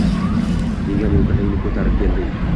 Nega miltig’ingni ko’tarib kelding?